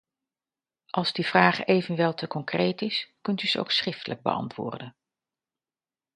Als die vraag evenwel te concreet is, kunt u ze ook schriftelijk beantwoorden.